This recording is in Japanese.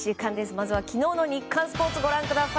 まずは昨日の日刊スポーツご覧ください。